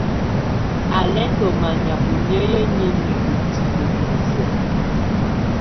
Á lɛ́ ndɔ́ manyá ɔ́ nɛ̀áyɛ niinyǝ́ ú tilǝ́ muɛsɛ.